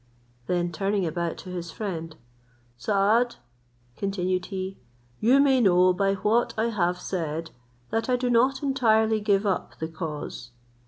Then turning about to his friend, "Saad," continued he, "you may know by what I have said that I do not entirely give up the cause.